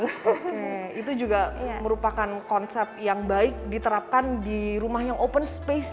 oke itu juga merupakan konsep yang baik diterapkan di rumah yang open space